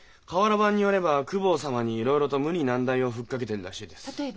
瓦版によれば公方様にいろいろと無理難題を吹っかけてるらしいです。